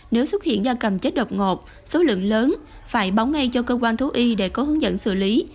nếu xuất hiện da cầm chết độc ngột số lượng lớn phải báo ngay cho cơ quan thú y để có hướng dẫn xử lý